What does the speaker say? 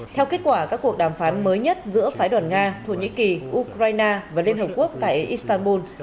theo kết quả các cuộc đàm phán mới nhất giữa phái đoàn nga thổ nhĩ kỳ ukraine và liên hợp quốc tại istanbul